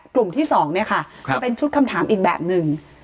กลุ่มที่๒เนี่ยค่ะจะเป็นชุดคำถามอีกแบบหนึ่ง